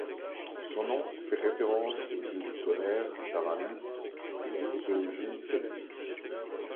Son nom fait référence au dieu du tonnerre Taranis de la mythologie celtique.